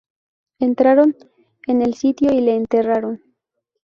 Entraron en el sitio y le enterraron.